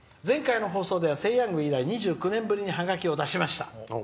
「前回の放送では「セイ！ヤング」以来にハガキを出しました。